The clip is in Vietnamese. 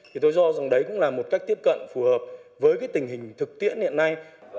thì tôi cho rằng đấy cũng là một cách tiếp cận phù hợp với cái tình hình thực tiễn hiện nay